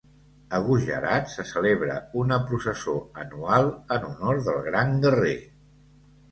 A Gujarat, se celebra una processó anual en honor del gran guerrer.